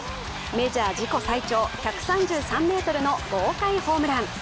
メジャー自己最長１３３ｍの豪快ホームラン。